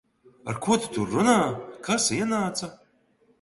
Ar ko tu tur runā? Kas ienāca?